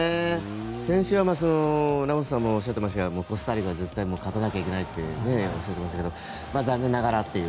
先週はラモスさんもコスタリカに絶対勝たなきゃいけないとおっしゃっていましたけど残念ながらという。